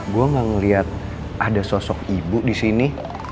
gue gak ngeliat ada sosok ibu disini